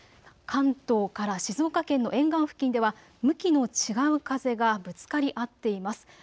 関東から静岡県の沿岸付近では向きの違う風がぶつかり合っています。